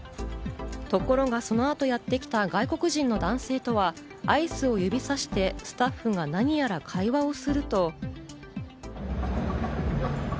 ところが、その後にやってきた外国人の男性とはアイスを指さして、スタッフが何やら会話をすると。